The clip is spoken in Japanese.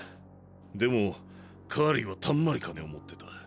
でもカーリーはたんまり金を持ってた。